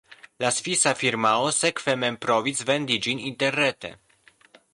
La svisa firmao sekve mem provis vendi ĝin interrete.